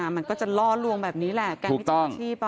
มันก็จะล่อรวมแบบนี้แหละแก๊งมิจฉาชีพอ่ะถูกต้อง